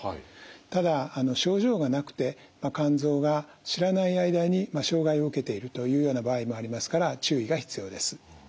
ただ症状がなくて肝臓が知らない間に障害を受けているというような場合もありますから注意が必要です。